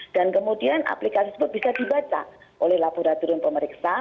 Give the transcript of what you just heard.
dan kemudian aplikasi tersebut bisa dibaca oleh laboratorium pemeriksa